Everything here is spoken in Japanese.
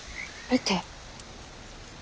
見て。